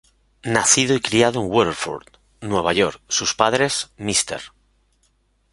Nacido y criado en Waterford, Nueva York, sus padres, Mr.